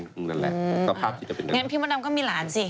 งั้นพี่มดำก็มีหลานสิ